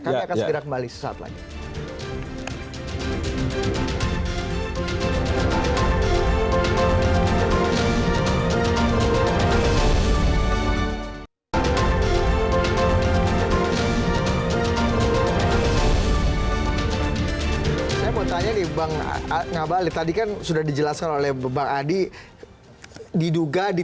kami akan segera kembali sesaat lagi